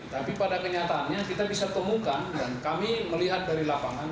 tapi pada kenyataannya kita bisa temukan dan kami melihat dari lapangan